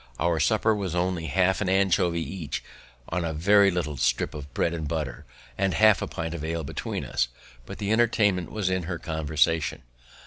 Our supper was only half an anchovy each, on a very little strip of bread and butter, and half a pint of ale between us; but the entertainment was in her conversation.